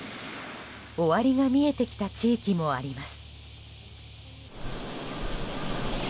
終わりが見えてきた地域もあります。